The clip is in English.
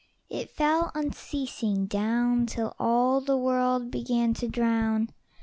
It fell unceasing down Till all the world began to drown.